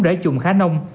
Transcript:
để chuồng khá nông